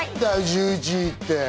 １１位って。